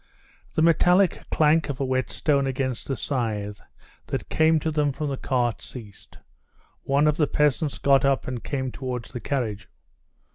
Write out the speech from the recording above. The metallic clank of a whetstone against a scythe, that came to them from the cart, ceased. One of the peasants got up and came towards the carriage.